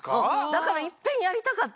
だからいっぺんやりたかったの。